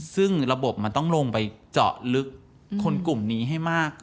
ซึ่งระบบมันต้องลงไปเจาะลึกคนกลุ่มนี้ให้มาก